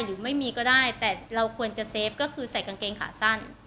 หรือไม่มีก็ได้แต่เราควรจะเซฟก็คือใส่กางเกงขาสั้น